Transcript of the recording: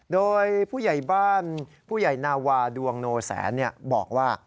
โดยผู้ใหญ่บ้านผู้ใหญ่นาวาดวงโนแสนบอกว่า